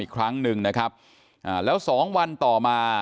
อีกครั้งหนึ่งนะครับแล้วสองวันต่อมา